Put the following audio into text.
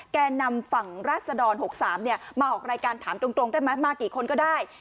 แก่นำฝั่งราศดร๖๓มาออกรายการถามตรงได้ไหมมากี่คนก็ได้